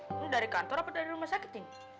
ini dari kantor apa dari rumah sakit cing